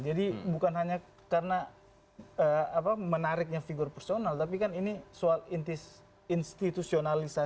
jadi bukan hanya karena menariknya figur personal tapi kan ini soal institusionalisme